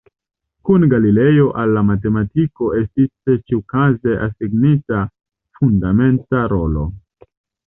Kun Galilejo al la matematiko estis ĉiukaze asignita fundamenta rolo.